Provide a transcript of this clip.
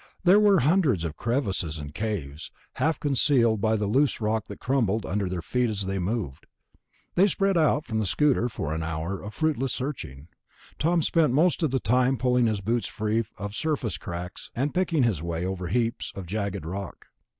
There were hundreds of crevices and caves, half concealed by the loose rock that crumbled under their feet as they moved. They spread out from the scooter for an hour of fruitless searching. Tom spent most of the time pulling his boots free of surface cracks and picking his way over heaps of jagged rock.